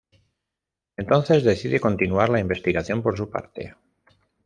Entonces, decide continuar la investigación por su parte.